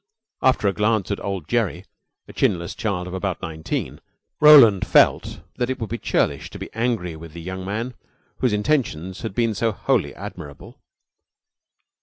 After a glance at old Gerry a chinless child of about nineteen Roland felt that it would be churlish to be angry with a young man whose intentions had been so wholly admirable.